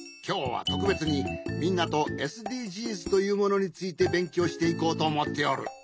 きょうはとくべつにみんなとＳＤＧｓというものについてべんきょうしていこうとおもっておる。